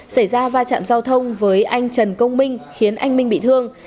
xảy ra va chạm giao thông với anh trần công minh khiến anh minh bị thương